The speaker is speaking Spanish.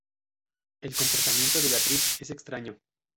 El comportamiento de Beatriz es extraño.